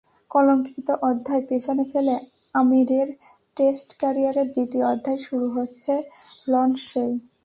কলঙ্কিত অধ্যায় পেছনে ফেলে আমিরের টেস্ট ক্যারিয়ারের দ্বিতীয় অধ্যায় শুরু হচ্ছে লর্ডসেই।